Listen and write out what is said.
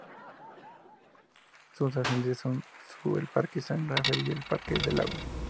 Sus antecedentes su el Parque San Rafael y el Parque del Agua.